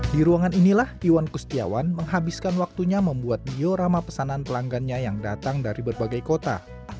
di ruangan inilah iwan kustiawan menghabiskan waktunya membuat diorama pesanan pelanggannya yang datang dari berbagai kota